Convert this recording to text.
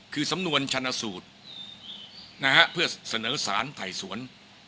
คือสำนวนชาญสูตรเพื่อเสนอศาลไถ่สวน